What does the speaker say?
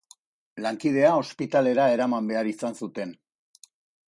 Lankidea ospitalera eraman behar izan zuten.